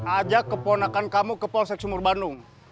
ajak keponakan kamu ke polsek sumur bandung